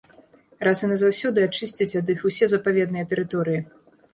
Раз і назаўсёды ачысціць ад іх усе запаведныя тэрыторыі.